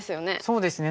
そうですね